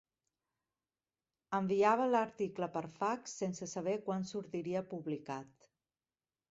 Enviava l'article per fax sense saber quan sortiria publicat.